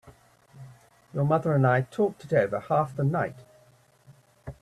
Your mother and I talked it over half the night.